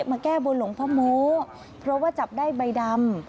มาแก้บนหลวงพ่อโม้เพราะว่าจับได้ใบดำ